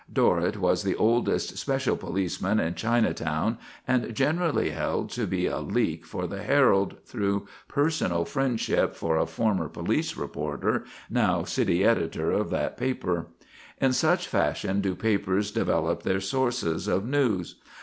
Dorrett was the oldest special policeman in Chinatown and generally held to be a "leak" for the Herald through personal friendship for a former police reporter, now city editor of that paper. In such fashion do papers develop their "sources" of news.